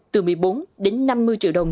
từ một mươi bốn đến năm mươi triệu đồng